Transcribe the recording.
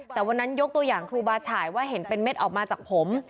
แต่วันนั้นยกตัวอย่างครูบาฉายว่าเห็นเป็นเม็ดออกมาจากผม